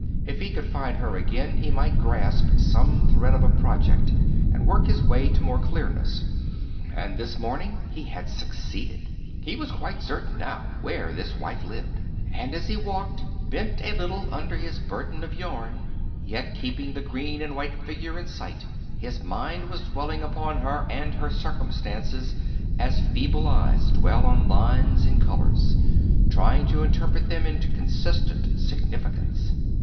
If he could find her again, he might grasp some thread of a project, and work his way to more clearness. And this morning he had succeeded. He was quite certain now where this wife lived, and as he walked, bent a little under his burden of yarn, yet keeping the green and white figure in sight, his mind was dwelling upon her and her circumstances as feeble eyes dwell on lines and colours, trying to interpret them into consistent significance.